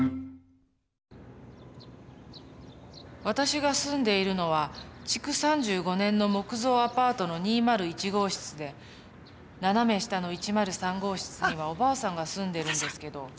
私が住んでいるのは築３５年の木造アパートの２０１号室で斜め下の１０３号室にはおばあさんが住んでるんですけど。